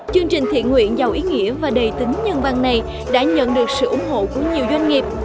chương trình thiện nguyện giàu ý nghĩa và đầy tính nhân văn này đã nhận được sự ủng hộ của nhiều doanh nghiệp